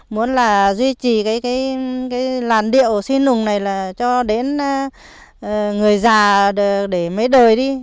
muốn là duy trì cái làn điệu xin nùng này là cho đến người già để mấy đời đi